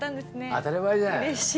当たり前じゃない。